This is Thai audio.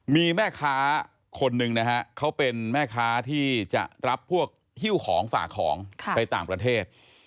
มีแม่ค้าคนหนึ่งนะฮะเขาเป็นแม่ค้าที่จะรับพวกฮิ้วของฝากของไปต่างประเทศ